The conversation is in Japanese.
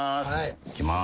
いきます。